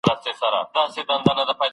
فارابي ټولنه د ژوندي موجود په څېر بولي.